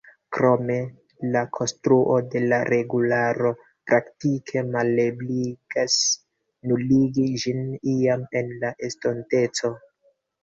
Krome, la konstruo de la regularo praktike malebligas nuligi ĝin iam en la estonteco.